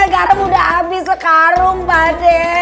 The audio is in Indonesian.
garam udah abis sekarang pak de